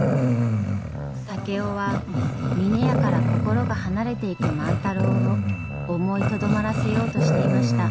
竹雄は峰屋から心が離れていく万太郎を思いとどまらせようとしていました。